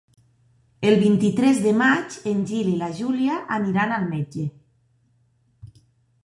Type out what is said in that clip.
El vint-i-tres de maig en Gil i na Júlia aniran al metge.